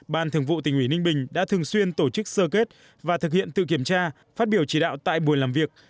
ban thường vụ tỉnh ủy ninh bình đã thường xuyên tổ chức sơ kết và thực hiện tự kiểm tra phát biểu chỉ đạo tại buổi làm việc